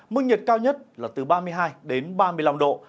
mức nhiệt cao nhất là từ ba mươi hai ba mươi năm độ